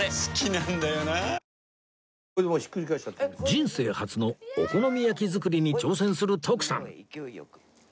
人生初のお好み焼き作りに挑戦する徳さん